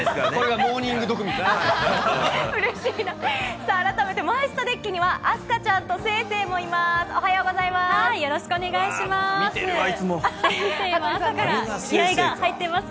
さあ、改めてマイスタデッキには、明日香ちゃんと星星もいます。